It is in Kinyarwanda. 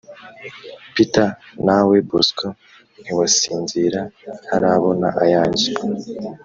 Peter nawe bosco ntiwasinzira ntarabona ayanjye